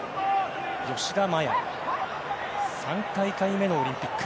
吉田麻也は３大会目のオリンピック。